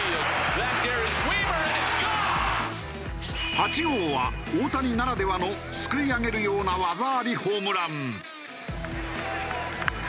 ８号は大谷ならではのすくい上げるような技ありホームラン。